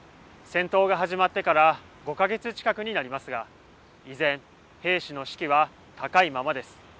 戦闘が始まってから５か月近くになりますが依然、兵士の士気は高いままです。